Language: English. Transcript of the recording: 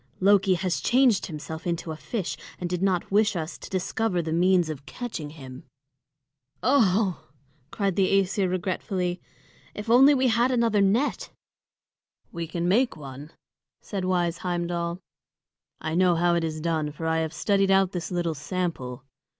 Loki has changed himself into a fish, and did not wish us to discover the means of catching him." "Oho!" cried the Æsir regretfully. "If only we had another net!" "We can make one," said wise Heimdal. "I know how it is done, for I have studied out this little sample.